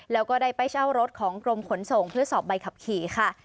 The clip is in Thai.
แล้วก็ได้ไปเช่ารถของกรมขนส่งเพื่อสอบใบขับขี่ค่ะ